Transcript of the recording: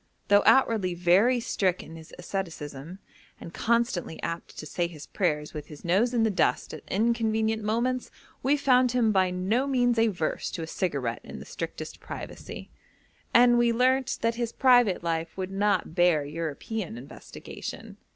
Though outwardly very strict in his asceticism, and constantly apt to say his prayers with his nose in the dust at inconvenient moments, we found him by no means averse to a cigarette in the strictest privacy, and we learnt that his private life would not bear European investigation.